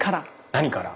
何から。